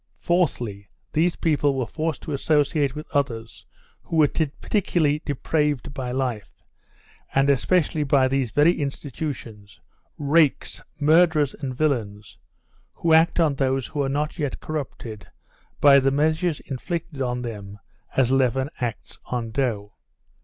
Fourthly, these people were forced to associate with others who were particularly depraved by life, and especially by these very institutions rakes, murderers and villains who act on those who are not yet corrupted by the measures inflicted on them as leaven acts on dough.